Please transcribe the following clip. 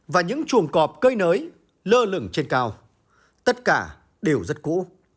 và những chuồng cọp cơi nới lơ lửng trên cao tất cả đều rất cũ